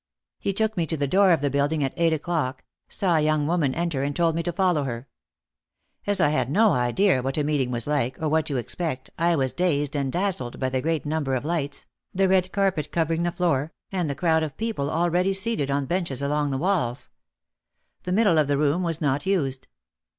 He took me to the door of the building at eight o'clock, saw a young woman enter and told me to follow her. As I had no idea what a meeting was like or what to expect I was dazed and dazzled by the great number of lights, the red carpet covering the floor, and the crowd of people already seated on benches along the walls. The middle of the room was not used.